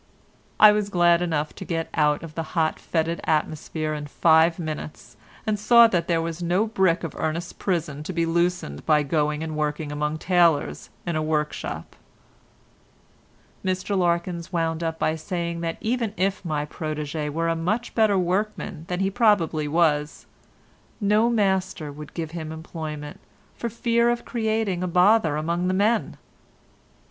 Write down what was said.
I was glad enough to get out of the hot, fetid atmosphere in five minutes, and saw that there was no brick of Ernest's prison to be loosened by going and working among tailors in a workshop. Mr Larkins wound up by saying that even if my protégé were a much better workman than he probably was, no master would give him employment, for fear of creating a bother among the men.